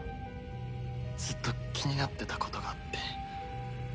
ずっと気になってたことがあって。